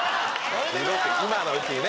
今のうちにね